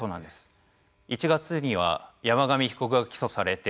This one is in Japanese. １月には山上被告が起訴されて